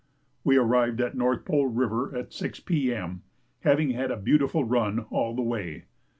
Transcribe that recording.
We arrived at North Pole River at 6 P.M., having had a beautiful run all the way.